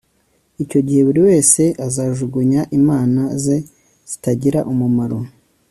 icyo gihe buri wese azajugunya imana ze zitagira umumaro